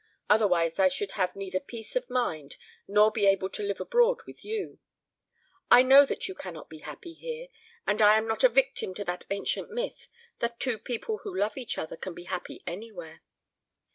Otherwise I should have neither peace of mind nor be able to live abroad with you. I know that you cannot be happy here, and I am not a victim of that ancient myth that two people who love each other can be happy anywhere.